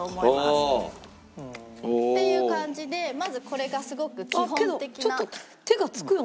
ああー！っていう感じでまずこれがすごく基本的な。